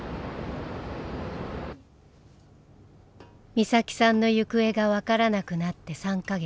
美咲さんの行方が分からなくなって３か月。